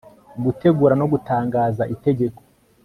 gutegura no gutangaza itegeko